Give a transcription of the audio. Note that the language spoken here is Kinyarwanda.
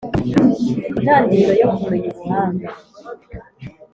Intangiriro yo kumenya Ubuhanga,